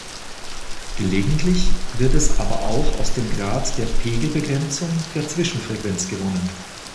Gelegentlich wird es aber auch aus dem Grad der Pegel-Begrenzung der Zwischenfrequenz gewonnen.